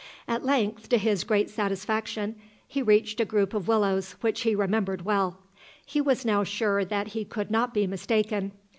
At length, to his great satisfaction, he reached a group of willows which he remembered well. He was now sure that he could not be mistaken.